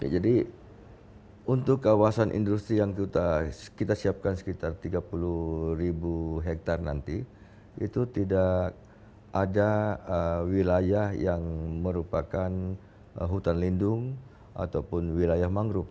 jadi untuk kawasan industri yang kita siapkan sekitar tiga puluh ribu hektare nanti itu tidak ada wilayah yang merupakan hutan lindung ataupun wilayah mangrove